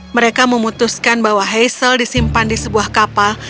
mereka memutuskan bahwa hazel disimpan di sebuah kapal